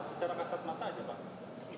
secara kasat mata aja pak